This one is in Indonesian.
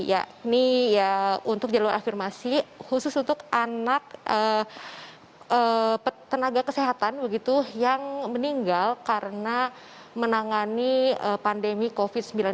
yakni untuk jalur afirmasi khusus untuk anak tenaga kesehatan begitu yang meninggal karena menangani pandemi covid sembilan belas